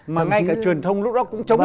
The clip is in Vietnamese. mà ngay cả truyền thông lúc đó cũng chống